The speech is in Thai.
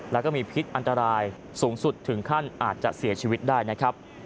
แล้วก็มีพิษอันตรายสูงสุดถึงขั้นอาจจะเสียชีวิตได้นะครับ